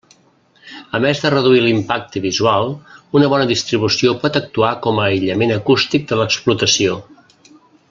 A més de reduir l'impacte visual, una bona distribució pot actuar com a aïllament acústic de l'explotació.